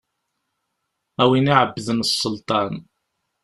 A win iɛebbden sselṭan.